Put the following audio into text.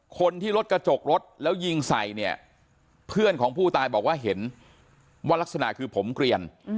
คนที่รถกระจกรถแล้วยิงใส่เนี่ยเพื่อนของผู้ตายบอกว่าเห็นว่ารักษณะคือผมเกลียน